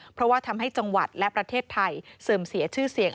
เพราะว่าทำให้จังหวัดและประเทศไทยเสื่อมเสียชื่อเสียง